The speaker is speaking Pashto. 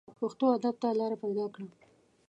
پښتو ادب ته لاره پیدا کړه